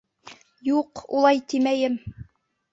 Юҡ, улай тимәйем.